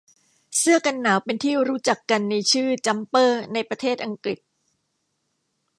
เสื้อกันหนาวเป็นที่รู้จักกันในชื่อ จั๊มเปอร์ ในประเทษอังกฤษ